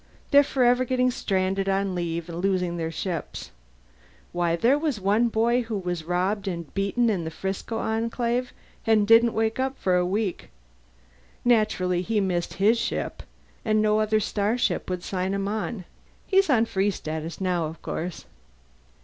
They're forever getting stranded on leave and losing their ships. Why, there was one boy who was robbed and beaten in the Frisco Enclave and didn't wake up for a week. Naturally he missed his ship, and no other starship would sign him on. He's on Free Status now, of course.